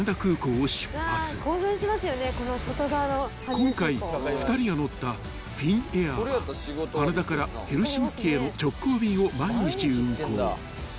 ［今回２人が乗ったフィンエアーは羽田からヘルシンキへの直行便を毎日運航］